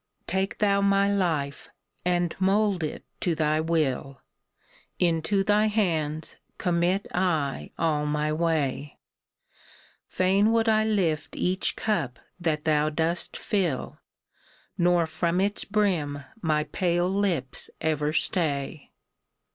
Take thou my life, and mold it to thy will ; Into thy hands commit I all my way ; Fain would I lift each cup that thou dost fill, Nor from its brim my pale lips ever stay.